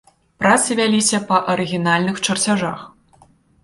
Працы вяліся па арыгінальных чарцяжах.